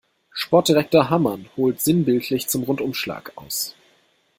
Sportdirektor Hamann holt sinnbildlich zum Rundumschlag aus.